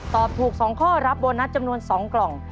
ตอบถูก๒ข้อรับโบนัสจำนวน๒กล่อง